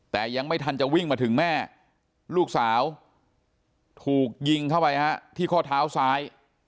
แต่ยังไม่ทันจะวิ่งมาถึงแม่ลูกสาวถูกยิงเข้าไปฮะที่ข้อเท้าซ้าย